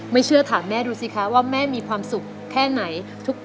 ไม่เชื่อถามแม่ดูสิคะว่าแม่มีความสุขแค่ไหน